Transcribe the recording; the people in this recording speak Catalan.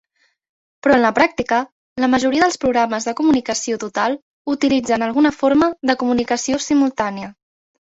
Però en la pràctica, la majoria dels programes de comunicació total utilitzen alguna forma de comunicació simultània.